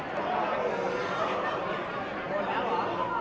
เพลงพี่หวาย